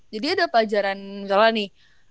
jadi ada pelajaran misalnya nih